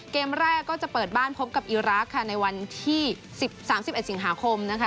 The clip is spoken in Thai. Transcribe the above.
เกมแรกก็จะเปิดบ้านพบกับอีรักษ์ค่ะในวันที่๓๑สิงหาคมนะคะ